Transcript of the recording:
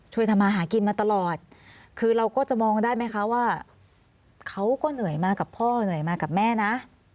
ทำมาหากินมาตลอดคือเราก็จะมองได้ไหมคะว่าเขาก็เหนื่อยมากับพ่อเหนื่อยมากับแม่นะ